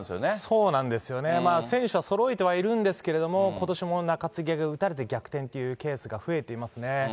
そうなんですよね、選手は揃えてはいるんですけれども、ことしも中継ぎが打たれて逆転というケースが増えてますね。